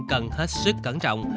cần hết suy cẩn trọng